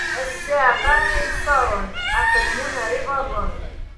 A ssiεqa ay iṣaṛen: aqelmun ar iḍaṛṛen!